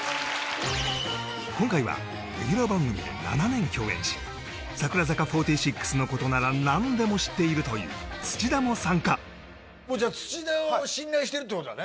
今回はレギュラー番組で７年共演し櫻坂４６のことなら何でも知っているという土田も参加土田を信頼してるってことだね？